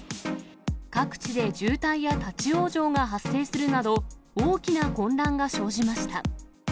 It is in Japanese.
地域で渋滞や立往生が発生するなど、大きな混乱が生じました。